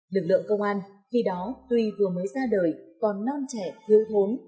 lực lượng công an khi đó tuy vừa mới ra đời còn non trẻ thiếu thốn